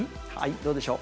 どうでしょう。